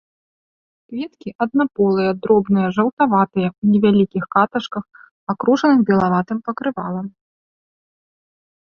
Кветкі аднаполыя, дробныя, жаўтаватыя, у невялікіх каташках, акружаных белаватым пакрывалам.